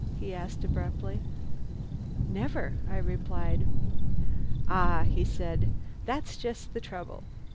he asked abruptly. "Never," I replied. "Ah!" he said. "That's just the trouble.